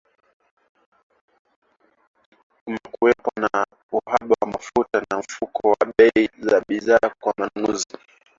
kumekuwepo na uhaba wa mafuta na mfumuko wa bei za bidhaa kwa wanunuzi